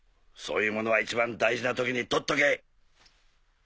そういうものは一番大事な時にとっとけ！